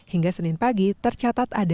hingga senin pagi tercatat ada